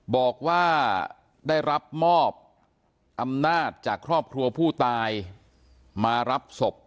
บอกว่าได้รับมอบอำนาจจากครอบครัวผู้ตายมารับศพ